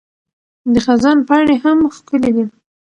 د خزان پاڼې هم ښکلي دي.